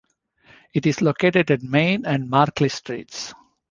It is located at Main and Markley Streets.